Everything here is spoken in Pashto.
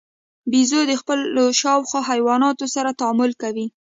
بیزو د خپلو شاوخوا حیواناتو سره تعامل کوي.